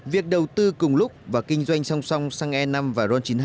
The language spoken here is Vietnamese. việc đầu tư cùng lúc và kinh doanh song song xăng e năm và ron chín mươi hai